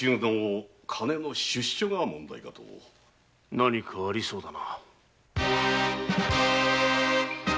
何かありそうだな。